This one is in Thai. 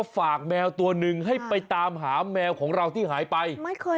ฝากแมวจอนไปตามหาแมวที่หายไป